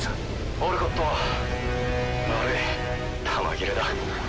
オルコット悪い弾切れだ。